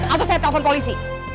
atau saya telepon polisi